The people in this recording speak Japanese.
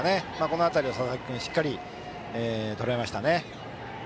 この辺りは佐々木君しっかりとらえましたね。